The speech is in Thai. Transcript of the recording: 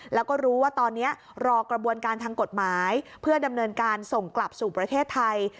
แล้วก็รู้ว่าตอนนี้รอกระบวนการทางกฎหมายเพื่อดำเนินการส่งกลับสู่ประเทศไทย